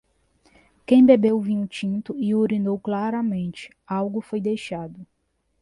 Quem bebeu vinho tinto e urinou claramente, algo foi deixado.